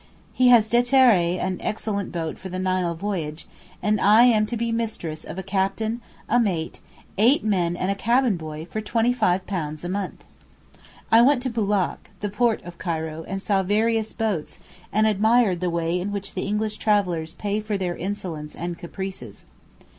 He has déterré an excellent boat for the Nile voyage, and I am to be mistress of a captain, a mate, eight men and a cabin boy for £25 a month. I went to Boulak, the port of Cairo, and saw various boats, and admired the way in which the English travellers pay for their insolence and caprices.